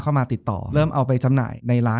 จบการโรงแรมจบการโรงแรม